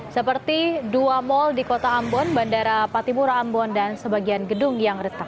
seperti dua mal di kota ambon bandara patimura ambon dan sebagian gedung yang retak